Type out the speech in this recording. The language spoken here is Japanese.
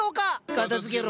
片づけろ。